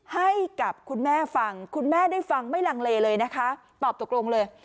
ให้กับคุณแม่ฟังคุณแม่ได้ฟังไม่ลังเลเลยนะคะตอบตกลงเลย